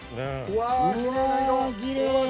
うわきれいやわ。